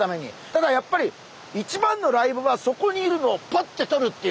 ただやっぱり一番のライブはそこにいるのをパッととるっていうね。